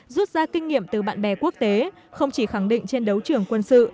rút ra kinh nghiệm từ bạn bè quốc tế không chỉ khẳng định trên đấu trường quân sự